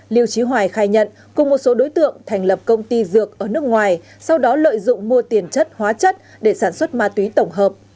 liêu trí hoài khai nhận cùng một số đối tượng thành lập công ty dược ở nước ngoài sau đó lợi dụng mua tiền chất hóa chất để sản xuất ma túy tổng hợp